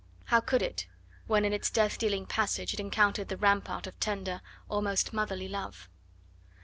How could it, when in its death dealing passage it encountered the rampart of tender, almost motherly love?